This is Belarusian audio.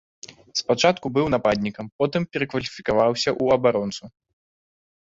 Спачатку быў нападнікам, потым перакваліфікаваўся ў абаронцу.